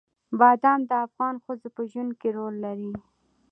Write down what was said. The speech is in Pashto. بادام د افغان ښځو په ژوند کې رول لري.